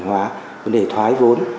hóa vấn đề thoái vốn